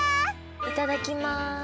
いただきます！